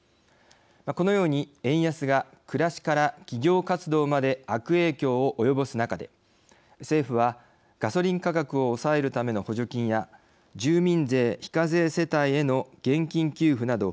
このように円安が暮らしから企業活動まで悪影響を及ぼす中で、政府はガソリン価格を抑えるための補助金や住民税非課税世帯への現金給付など